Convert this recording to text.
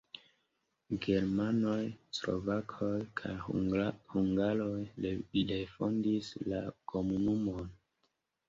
Germanoj, slovakoj kaj hungaroj refondis la komunumon.